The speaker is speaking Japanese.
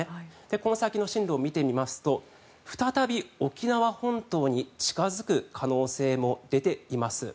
この先の進路を見てみますと再び沖縄本島に近付く可能性も出ています。